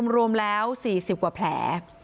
รวมแล้ว๔๐กว่าแผล